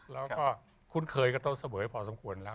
แล้วก็คุ้นเคยกับโต๊ะเสมอพอสมควรแล้ว